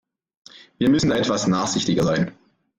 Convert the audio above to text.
Wir müssen da etwas nachsichtiger sein.